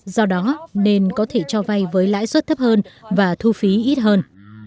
do đó nên có thể cho vay với lãi suất thấp hơn và thu phí ít hơn